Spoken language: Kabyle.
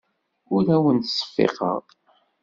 Ur awen-ttseffiqeɣ.